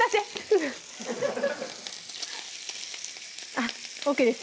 あっＯＫです